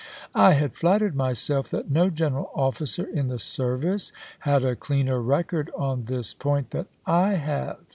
I had flattered myself that no general officer in the service had a cleaner record on this point than I have.